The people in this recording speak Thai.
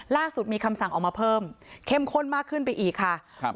ล่าสุดมีคำสั่งออกมาเพิ่มเข้มข้นมากขึ้นไปอีกค่ะครับ